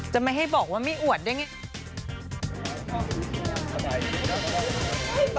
ไม่ให้บอกว่าไม่อวดได้ไง